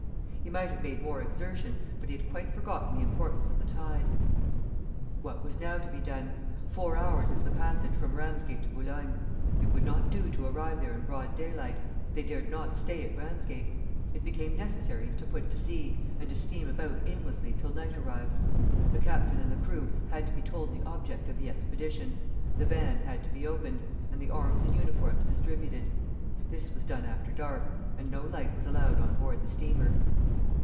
He might have made more exertion, but he had quite forgotten the importance of the tide! What was now to be done? Four hours is the passage from Ramsgate to Boulogne. It would not do to arrive there in broad daylight. They dared not stay at Ramsgate. It became necessary to put to sea, and to steam about aimlessly till night arrived. The captain and the crew had to be told the object of the expedition, the van had to be opened, and the arms and uniforms distributed. This was done after dark, and no light was allowed on board the steamer.